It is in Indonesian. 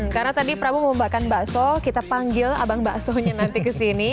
karena tadi prabowo membakar bakso kita panggil abang bakso nya nanti kesini